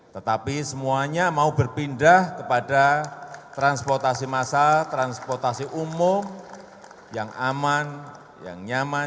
tetapi semuanya mau berpindah kepada transportasi massal transportasi umum yang aman yang nyaman